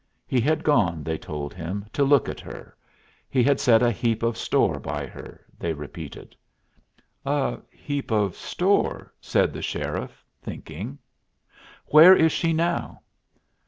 He had gone, they told him, to look at her; he had set a heap of store by her, they repeated. "A heap of store," said the sheriff, thinking. "Where is she now?"